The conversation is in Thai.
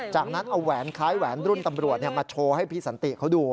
จากนั้นเอาแหวนคล้ายแหวนรุ่นตำรวจมาโชว์ให้พี่สันติเขาดู